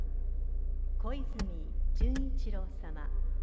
小泉純一郎様。